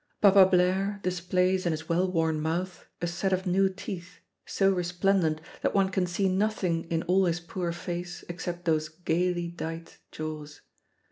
Papa Blaire displays in his well worn mouth a set of new teeth, so resplendent that one can see nothing in all his poor face except those gayly dight jaws.